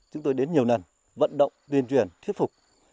chúng tôi đến nhiều lần vận động tuyên truyền thuyết phục